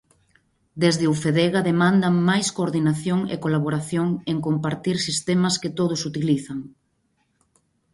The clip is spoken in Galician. Desde Ufedega demandan máis coordinación e colaboración en compartir sistemas que todos utilizan.